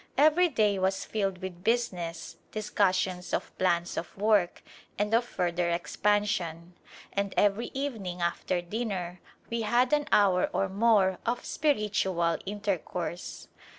Every day was filled with business, discussions of plans of work, and of further expansion \ and every evening after dinner we had an hour or more of spiritual intercourse.